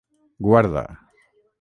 Guarda.